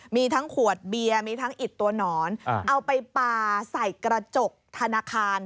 มีทั้งขวดเบียร์มีทั้งอิดตัวหนอนเอาไปปลาใส่กระจกธนาคาร